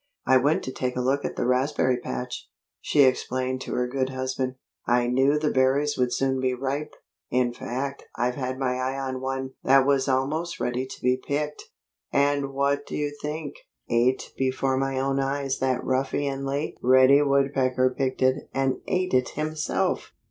"I went to take a look at the raspberry patch," she explained to her good husband. "I knew the berries would soon be ripe. In fact I've had my eye on one that was almost ready to be picked. And what do you think? Eight before my own eyes that ruffianly Reddy Woodpecker picked it and ate it himself!"